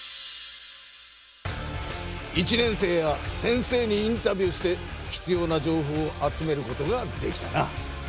１年生や先生にインタビューしてひつような情報を集めることができたな。